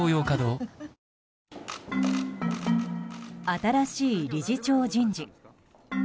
新しい理事長人事。